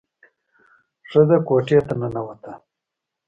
ښځه کوټې ته ننوته.